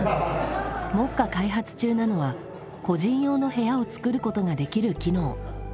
目下開発中なのは個人用の部屋を作ることができる機能。